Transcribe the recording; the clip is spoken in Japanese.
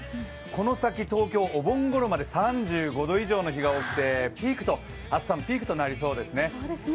この先、東京、お盆ごろまで３５度以上の日が多くて暑さのピークとなりそうですね。